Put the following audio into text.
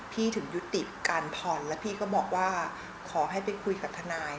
ถึงยุติการผ่อนแล้วพี่ก็บอกว่าขอให้ไปคุยกับทนาย